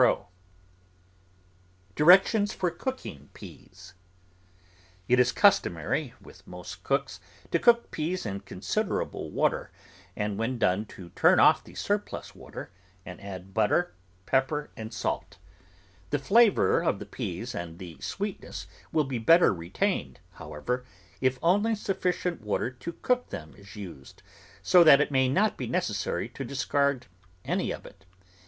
THE GROWING OF VARIOUS VEGETABLES DIRECTIONS FOR COOKING PEAS It is customary with most cooks to cook peas in considerable water, and when done to turn off the surplus water and add butter, pepper, and salt. The flavour of the peas and the sweetness will be better retained, however, if only sufficient water to cook them is used, so that it may not be necessary to discard any of it.